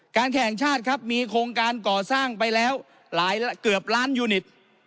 แข่งชาติครับมีโครงการก่อสร้างไปแล้วหลายเกือบล้านยูนิต